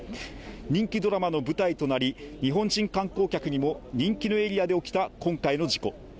人気ドラマの舞台となり、日本人観光客にも人気のエリアで起きた今回の事故。